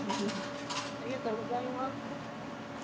ありがとうございます。